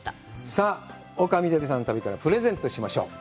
さあ、丘みどりさんの旅からプレゼントしましょう。